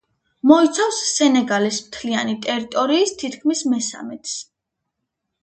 მოიცავს სენეგალის მთლიანი ტერიტორიის თითქმის მესამედს.